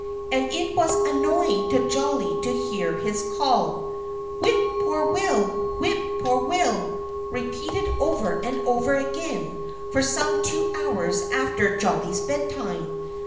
And it was annoying to Jolly to hear his call, "Whip poor will, whip poor will," repeated over and over again for some two hours after Jolly's bed time.